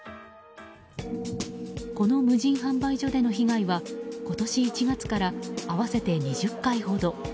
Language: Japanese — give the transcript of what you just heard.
この無人販売所での被害は今年１月から合わせて２０回ほど。